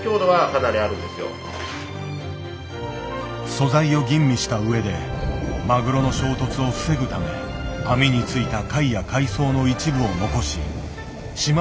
素材を吟味した上でマグロの衝突を防ぐため網に付いた貝や海藻の一部を残ししま